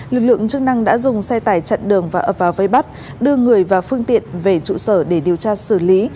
lực lượng chức năng đã dùng xe tải chặn đường và ập vào vây bắt đưa người và phương tiện về trụ sở để điều tra xử lý